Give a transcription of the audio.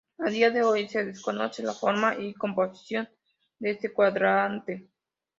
A día de hoy se desconoce la forma y composición de este cuadrante.